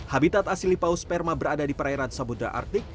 habitat asli paus sperma berada di perairan samudera artik